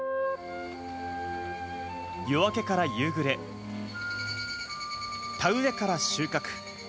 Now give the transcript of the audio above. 夜明けから夕暮れ、田植えから収穫。